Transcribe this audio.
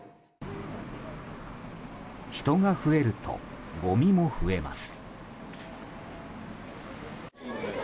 人が増えると、ごみも増えます。